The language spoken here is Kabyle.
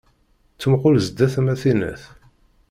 Ttmuqul zdat-m, a tinnat!